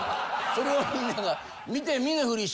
それをみんなが。